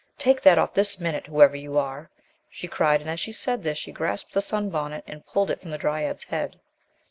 "Take that off this minute, whoever you are!" she cried, and as she said this she grasped the sun bonnet and pulled it from the dryad's head.